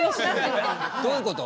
どういうこと？